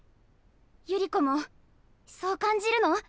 百合子もそう感じるの？